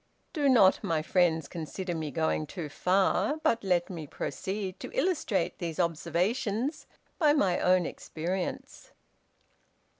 Do not, my friends, consider me going too far, but let me proceed to illustrate these observations by my own experience."